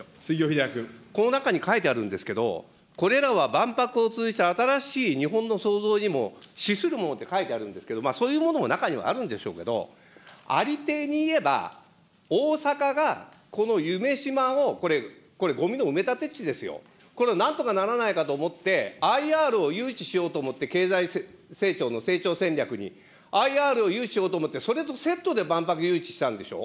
この中に書いてあるんですけど、これらは万博を通じた新しい日本の創造にも資するものって書いてあるんですけど、そういうものも中にはあるんでしょうけれども、ありていにいえば、大阪が、この夢洲を、これ、ごみの埋め立て地ですよ、これをなんとかならないかと思って、ＩＲを誘致しようと思って、経済成長の成長戦略に、ＩＲを誘致しようと思って、それとセットで万博誘致したんでしょ。